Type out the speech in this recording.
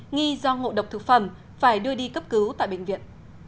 nghi do ngộ độc thực phẩm phải đưa đi cấp cứu tại bệnh viện